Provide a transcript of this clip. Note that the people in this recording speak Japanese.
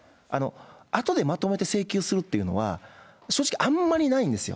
あとでまとめて請求するっていうのは、正直あんまりないんですよ。